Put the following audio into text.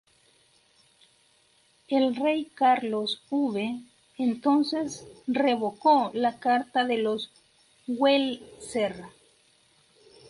El rey Carlos V entonces revocó la carta de los Welser.